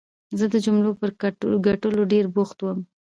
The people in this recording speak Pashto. زه د جملو پر کټلو ډېر بوخت وم.